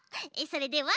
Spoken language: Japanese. それでは。